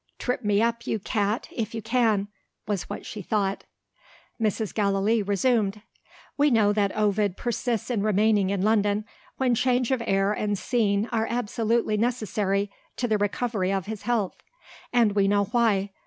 "Trip me up, you cat, if you can!" was what she thought. Mrs. Gallilee resumed. "We know that Ovid persists in remaining in London, when change of air and scene are absolutely necessary to the recovery of his health. And we know why.